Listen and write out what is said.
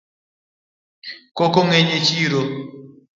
Koko ng'eny e chiro